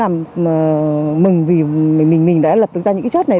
mừng vì mình đã lập ra những chốt này